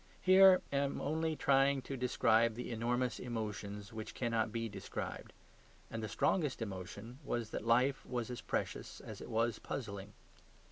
Here I am only trying to describe the enormous emotions which cannot be described. And the strongest emotion was that life was as precious as it was puzzling.